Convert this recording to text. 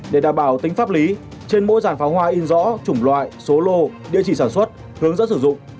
để đảm bảo tính pháp lý trên mỗi dàn pháo hoa in rõ chủng loại số lô địa chỉ sản xuất hướng dẫn sử dụng